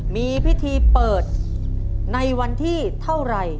มีพิธีเปิดในวันที่เท่าไหร่